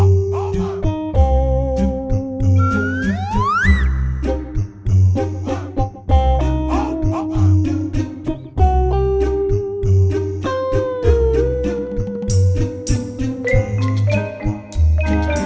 semoga semua kaki sejatinya menanti carlo picisan